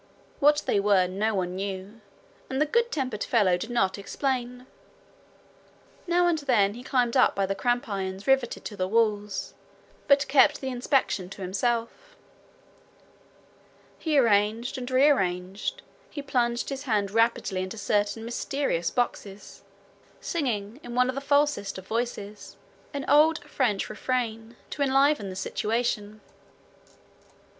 What they were no one knew, and the good tempered fellow did not explain. Now and then he climbed up by cramp irons riveted to the walls, but kept the inspection to himself. He arranged and rearranged, he plunged his hand rapidly into certain mysterious boxes, singing in one of the falsest of voices an old French refrain to enliven the situation.